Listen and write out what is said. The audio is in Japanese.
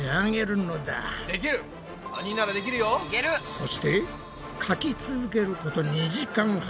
そしてかき続けること２時間半。